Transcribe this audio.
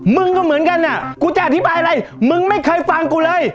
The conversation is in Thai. มึงก็เหมือนกันอ่ะกูจะอธิบายอะไรมึงไม่เคยฟังกูเลย